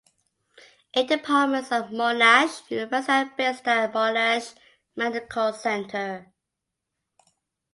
Eight departments of Monash University are based at Monash Medical Centre.